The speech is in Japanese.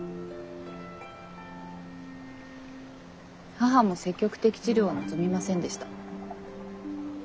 母も積極的治療を望みませんでした。